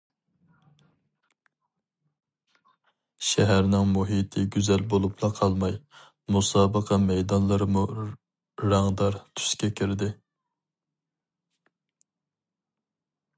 شەھەرنىڭ مۇھىتى گۈزەل بولۇپلا قالماي، مۇسابىقە مەيدانلىرىمۇ رەڭدار تۈسكە كىردى.